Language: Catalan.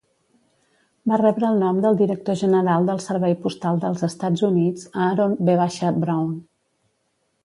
Va rebre el nom del director general del servei postal dels Estats Units, Aaron V. Brown.